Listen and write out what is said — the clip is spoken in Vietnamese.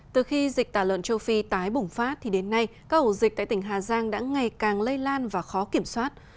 từ khi dịch tả lợn châu phi tái bùng phát thì đến nay các ổ dịch tại tỉnh hà giang đã ngày càng lây lan và khó kiểm soát